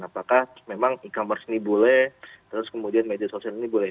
apakah memang e commerce ini boleh terus kemudian media sosial ini boleh